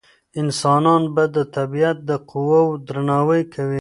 انسانان به د طبيعت د قواوو درناوی کوي.